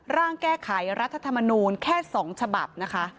ร่างแก้ไขรัฐธรรมนูลแค่๒ฉบับนะคะ